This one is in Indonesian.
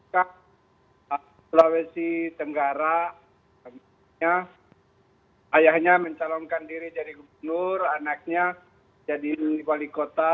sulawesi tenggara ayahnya mencalonkan diri jadi gubernur anaknya jadi wali kota